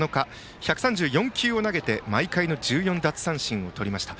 １３４球を投げて毎回の１４奪三振をとりました。